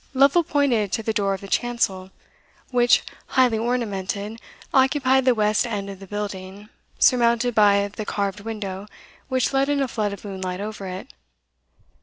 Lovel pointed to the door of the chancel, which, highly ornamented, occupied the west end of the building, surmounted by the carved window, which let in a flood of moonlight over it.